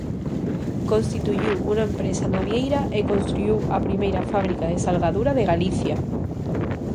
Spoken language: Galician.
Constituíu unha empresa navieira e construíu a primeira fábrica de salgadura de Galicia.